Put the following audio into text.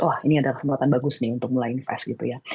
wah ini adalah kesempatan bagus nih untuk mulai invest gitu ya